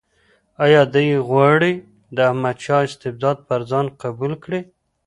آیا دی غواړي د احمدشاه استبداد پر ځان قبول کړي.